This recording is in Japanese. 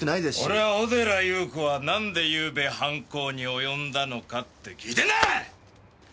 俺は小寺裕子はなんで昨夜犯行に及んだのかって聞いてんだ！